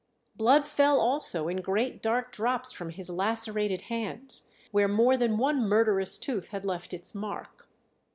Blood fell also in great dark drops from his lacerated hands, where more than one murderous tooth had left its mark.